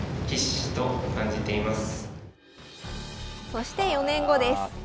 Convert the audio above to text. そして４年後です。